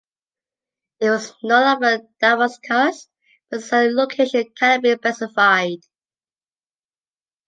It was North of Damascus, but its exact location cannot be specified.